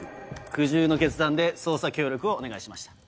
苦渋の決断で捜査協力をお願いしました。